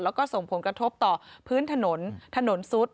แล้วก็ส่งผลกระทบต่อพื้นถนนถนนซุด